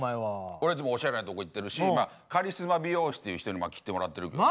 俺いつもおしゃれなとこ行ってるしカリスマ美容師という人に切ってもらってるけどね。